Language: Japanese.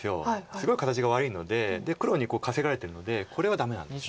すごい形が悪いのでで黒に稼がれてるのでこれはダメなんですよね。